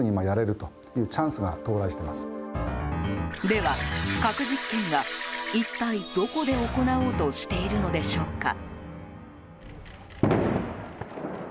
では核実験は、一体どこで行おうとしているのでしょうか。